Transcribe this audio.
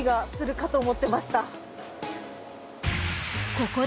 ［ここで］